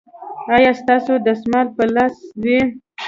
ایا ستاسو دستمال به په لاس وي؟